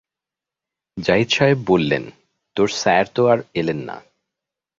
জাহিদ সাহেব বললেন, তোর স্যার তো আর এলেন না।